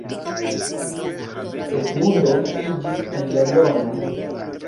Edmundo naskiĝis en Londono.